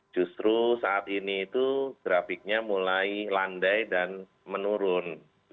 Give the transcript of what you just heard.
justru saat ini itu grafiknya mulai landai dan menurun